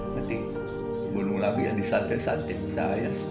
nanti gunung lagi yang disantai santai saya